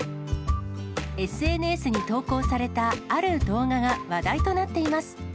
ＳＮＳに投稿されたある動画が話題となっています。